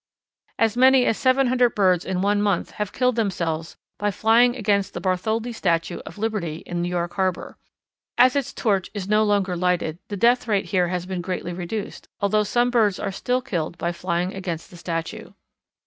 As many as seven hundred birds in one month have killed themselves by flying against the Bartholdi Statue of Liberty in New York Harbour. As its torch is no longer lighted the death rate here has been greatly reduced, although some birds are still killed by flying against the statue.